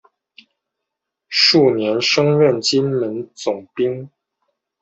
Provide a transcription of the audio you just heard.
翌年升任金门总兵。